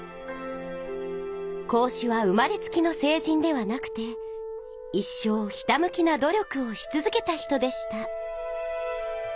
孔子は生まれつきのせい人ではなくて一生ひたむきなど力をしつづけた人でした。